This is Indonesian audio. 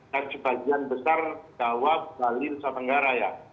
dan sebagian besar jawa bali nusa tenggara ya